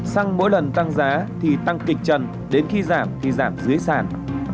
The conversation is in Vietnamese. xăng mỗi lần tăng giá thì tăng kịch trần đến khi giảm thì giảm dưới sản